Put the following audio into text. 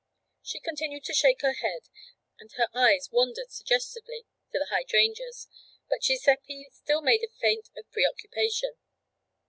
She continued to shake her head and her eyes wandered suggestively to the hydrangeas, but Giuseppe still made a feint of preoccupation.